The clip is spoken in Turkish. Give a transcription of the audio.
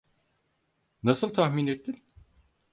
Nasıl tahmin ettin?